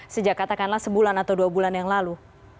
sejak katakanlah sebulan atau dua bulan yang lalu